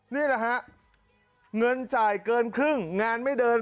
นี่แหละฮะเงินจ่ายเกินครึ่งงานไม่เดิน